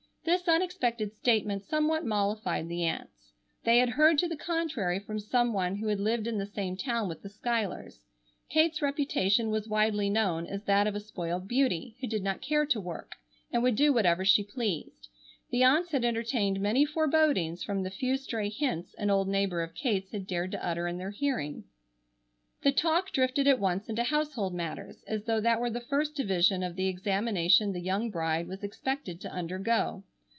This unexpected statement somewhat mollified the aunts. They had heard to the contrary from some one who had lived in the same town with the Schuylers. Kate's reputation was widely known, as that of a spoiled beauty, who did not care to work, and would do whatever she pleased. The aunts had entertained many forebodings from the few stray hints an old neighbor of Kate's had dared to utter in their hearing. The talk drifted at once into household matters, as though that were the first division of the examination the young bride was expected to undergo.